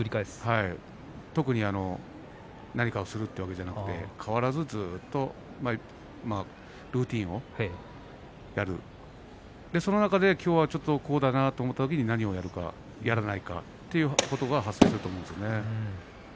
特に何かをするというわけではなく変わらず、ずっとルーティンをやるその中できょうはちょっとこうだなと思ったときに何をするのか、やらないのかということが発生するという中です。